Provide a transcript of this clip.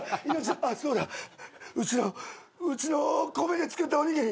あっそうだうちのうちの米で作ったおにぎり。